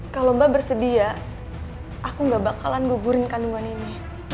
kalau mbak bersedia aku gak bakalan gugurin kandungan ini